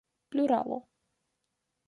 pluralo